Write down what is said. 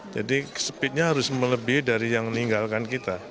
jadi speednya harus melebih dari yang meninggalkan kita